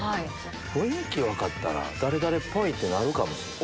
雰囲気分かったら誰々っぽいってなるかもしれない。